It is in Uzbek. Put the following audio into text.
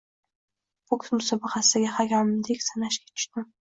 Boks musobaqasidagi hakamdek sanashga tushdim: